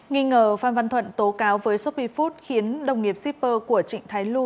nghi ngờ phan văn thuận tố cáo với shopee food khiến đồng nghiệp shipper của trịnh thái lu